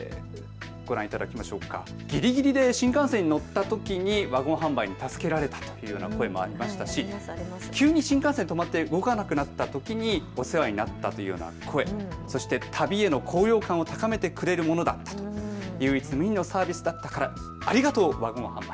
ギリギリで新幹線に乗ったときにワゴン販売に助けられたという声もありましたし急に新幹線止まって動かなくなったときにお世話になったという声、そして旅への高揚感を高めてくれるものだったという、唯一無二のサービスだったからありがとう、ワゴン販売。